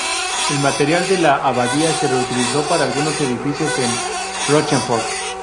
El material de la abadía se reutilizó para algunos edificios en Rochefort.